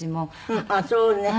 あっそうね。